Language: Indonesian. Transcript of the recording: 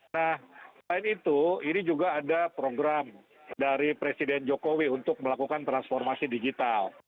nah selain itu ini juga ada program dari presiden jokowi untuk melakukan transformasi digital